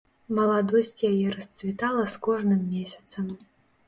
Маладосць яе расцвітала з кожным месяцам.